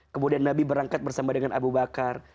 kemudian nabi berangkat bersama dengan abu bakar